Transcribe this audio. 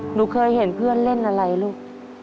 หนูเคยเห็นเพื่อนเล่นอะไรลูก